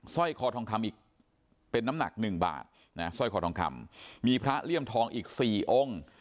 ไซ่คอทองคำเป็นน้ำหนักหนึ่งบาทมีพระเลี่ยมทองอีก๔องค์